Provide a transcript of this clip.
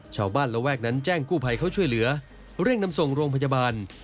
ระแวกนั้นแจ้งกู้ภัยเขาช่วยเหลือเร่งนำส่งโรงพยาบาล